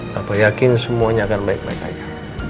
bapak yakin semuanya akan baik baik saja